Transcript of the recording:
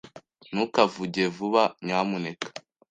Ntukavuge vuba, nyamuneka.